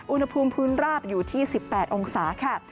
อุณหภูมิพื้นราบอยู่ที่๑๘องศาค่ะ